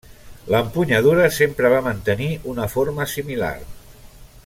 L'empunyadura sempre va mantenir una forma similar.